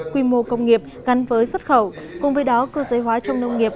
quy mô công nghiệp gắn với xuất khẩu cùng với đó cơ giới hóa trong nông nghiệp